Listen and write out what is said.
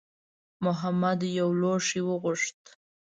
محمد یو لوښی وغوښت.